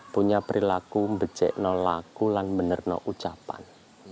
punya perilaku becek nolakulan menerno ucapan